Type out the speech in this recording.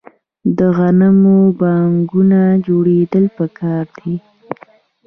د غنمو بانکونه جوړیدل پکار دي.